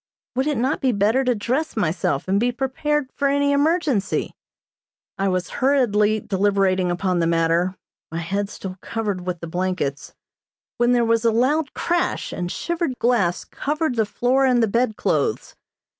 Would it not be better to dress myself and be prepared for any emergency? I was hurriedly deliberating upon the matter my head still covered with the blankets when there was a loud crash and shivered glass covered the floor and the bed clothes.